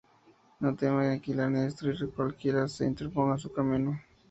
No teme aniquilar ni destruir a cualquiera se interponga ens u camino.